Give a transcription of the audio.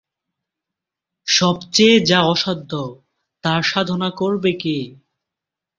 সব চেয়ে যা অসাধ্য তার সাধনা করবে কে?